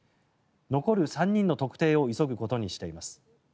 残る３人の特定を急ぐことにしています。